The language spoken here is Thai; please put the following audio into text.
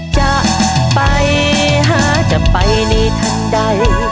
จะไปหาจะไปในทันใด